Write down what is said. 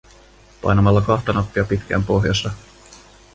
Painamalla kahta nappia pitkään pohjassa.